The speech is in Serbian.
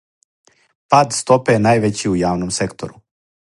Пад стопе је највећи у јавном сектору.